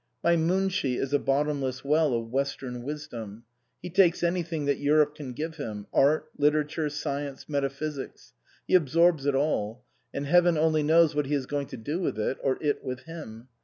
" My Munshi is a bottomless well of Western wisdom. He takes anything that Europe can give him art, literature, science, metaphysics. He absorbs it all, and Heaven only knows what he is going to do with it, or it with him.